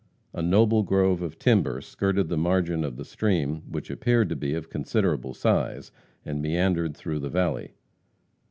A noble grove of timber skirted the margin of the stream, which appeared to be of considerable size, and meandered through the valley.